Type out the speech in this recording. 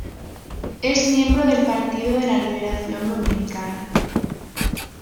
Es miembro del Partido de la Liberación Dominicana.